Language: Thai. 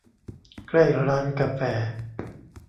ใกล้ร้านกาแฟ